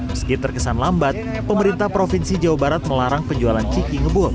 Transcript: meski terkesan lambat pemerintah provinsi jawa barat melarang penjualan ciki ngebul